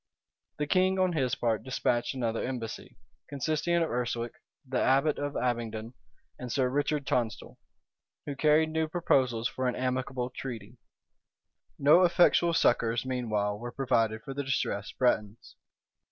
The king, on his part, despatched another embassy, consisting of Urswic, the abbot of Abingdon, and Sir Richard Tonstal, who carried new proposals for an amicable treaty. No effectual succors, meanwhile, were provided for the distressed Bretons.